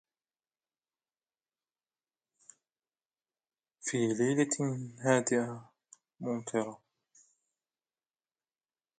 لِأَنَّهُ عَابِرُ سَبِيلٍ يَكُونُ مُجْتَازًا فِي مَوْضِعٍ